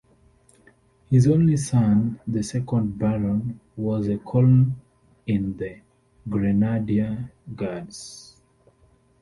His only son, the second Baron, was a Colonel in the Grenadier Guards.